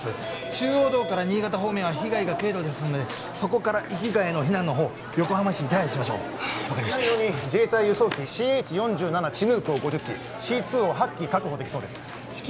中央道から新潟方面は被害が軽度ですのでそこから域外への避難のほう横浜市に手配しましょう分かりました自衛隊輸送機ＣＨ４７チヌークを５０機Ｃ２を８機確保できそうです至急